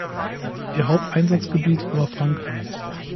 Ihr Haupteinsatzgebiet war Frankreich.